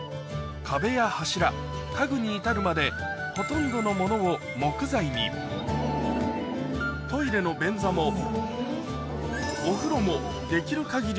壁や柱家具に至るまでほとんどのものを木材にトイレの便座もお風呂もできる限り